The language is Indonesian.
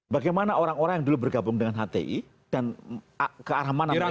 bagaimana orang orang yang dulu bergabung dengan hti dan ke arah mana mereka